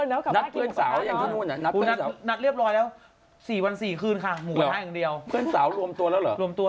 เออนัดเพื่อนสาวอย่างที่นู่นนะนัดเพื่อนสาว